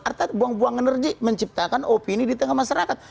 artinya buang buang energi menciptakan opini di tengah masyarakat